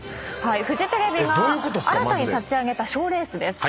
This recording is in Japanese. フジテレビが新たに立ち上げた賞レースです。